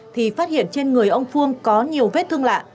thì phát hiện trên người ông phương có nhiều vết thương lạ